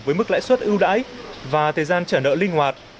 với mức lãi suất ưu đãi và thời gian trả nợ linh hoạt